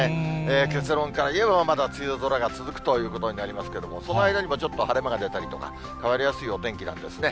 結論から言えば、まだ梅雨空が続くということになりますけれども、その間にもちょっと晴れ間が出たりとか、変わりやすいお天気なんですね。